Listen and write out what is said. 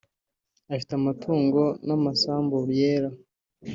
afite amatungo n’amasambu yera